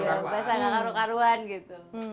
bahasa karuan karuan gitu